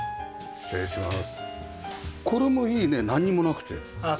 失礼します。